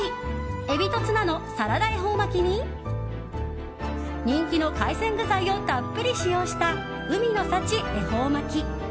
海老とツナのサラダ恵方巻に人気の海鮮具材をたっぷり使用した海の幸恵方巻。